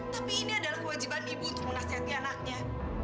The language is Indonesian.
tapi ini adalah kewajiban ibu untuk menasehati anaknya